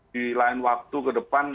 di lain waktu ke depan